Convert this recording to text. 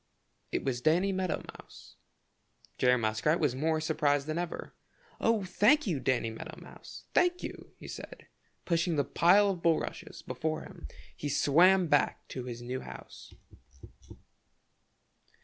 It was Danny Meadow Mouse. Jerry Muskrat was more surprised than ever. "Oh, thank you, Danny Meadow Mouse, thank you!" he said, and pushing the pile of bulrushes before him he swam back to his new house.